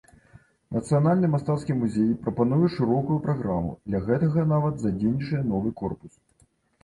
Нацыянальны мастацкі музей прапануе шырокую праграму, для гэтага нават задзейнічае новы корпус.